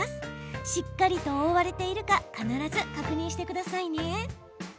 しっかりと覆われているか必ず確認してくださいね。